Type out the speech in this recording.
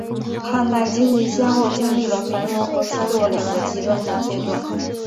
汉代经济先后经历了繁荣和衰落两个极端的阶段。